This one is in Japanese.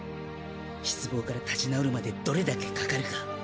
失望から立ち直るまでどれだけかかるか。